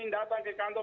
yang datang ke kantor